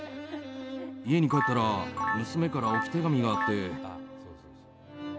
家に帰ったら娘から置き手紙があって。